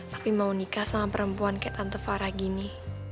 tapi mau nikah sama perempuan kayak tante fara gini